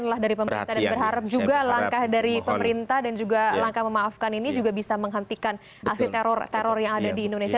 inilah dari pemerintah dan berharap juga langkah dari pemerintah dan juga langkah memaafkan ini juga bisa menghentikan aksi teror teror yang ada di indonesia